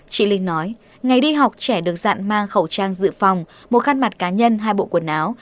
chị linh nói ngày đi học trẻ được dạng mang khẩu trang dự phòng một khăn mặt cá nhân hai bộ quần áo